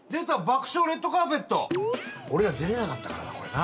『爆笑レッドカーペット』俺ら出れなかったからなこれな。